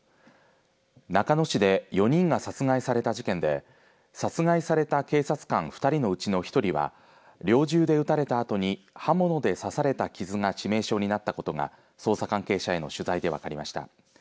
中野市で４人が殺害された事件で殺害された警察官２人のうちの１人は猟銃で撃たれたあとに刃物で刺された傷が致命傷になったことが捜査関係者への取材で分かりました。